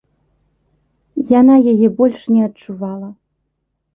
Яна яе больш не адчувала.